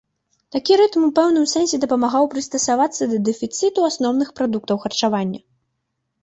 Такі рытм у пэўным сэнсе дапамагаў прыстасавацца да дэфіцыту асноўных прадуктаў харчавання.